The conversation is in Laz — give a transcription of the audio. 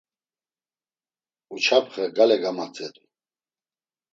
Uçapxe gale gamatzedu.